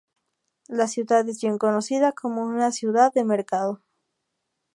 La ciudad es bien conocida como una ciudad de mercado.